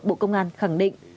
bộ công an khẳng định